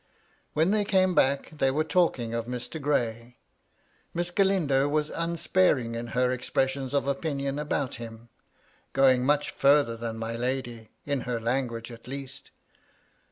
When they came back, they were talking of Mr. Gray. Miss Galindo was unsparing in her expressions of opinion about him: going much farther than my lady — in her language, at least.